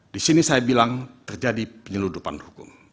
di sini saya bilang terjadi penyeludupan hukum